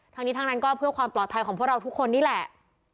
ทั้งนี้ทั้งนั้นก็เพื่อความปลอดภัยของพวกเราทุกคนนี่แหละ